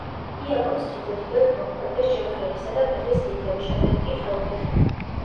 იაკობს თითო-თითოდ მოჰკვეთეს ჯერ ხელისა და ფეხის თითები, შემდეგ კი ხელ-ფეხი.